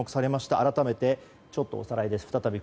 改めて、ちょっとおさらいです。